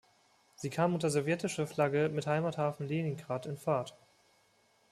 Sie kam unter sowjetischer Flagge mit Heimathafen Leningrad in Fahrt.